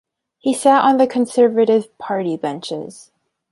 He sat on the Conservative Party benches.